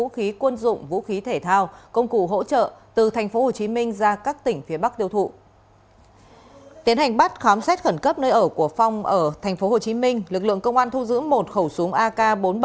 khi khẩn cấp nơi ở của phong ở tp hcm lực lượng công an thu giữ một khẩu súng ak bốn mươi bảy